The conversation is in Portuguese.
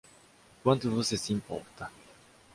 Quanto você se importa?